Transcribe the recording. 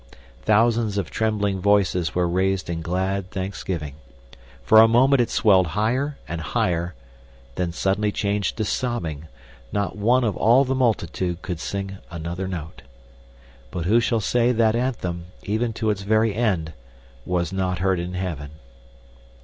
Thousands of trembling voices were raised in glad thanksgiving. For a moment it swelled higher and higher, then suddenly changed to sobbing not one of all the multitude could sing another note. But who shall say that anthem, even to its very end, was not heard in heaven!